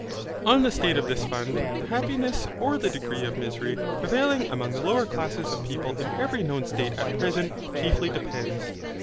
On the state of this fund, the happiness, or the degree of misery, prevailing among the lower classes of people in every known state at present chiefly depends.